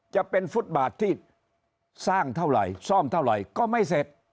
จะเป็นฟุตบาทที่สร้างเท่าไหร่ซ่อมเท่าไหร่ก็ไม่เสร็จ